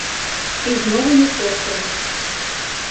І з новымі коштамі.